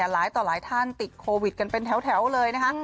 หลายต่อหลายท่านติดโควิดกันเป็นแถวเลยนะคะ